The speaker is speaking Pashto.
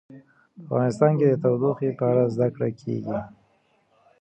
په افغانستان کې د تودوخه په اړه زده کړه کېږي.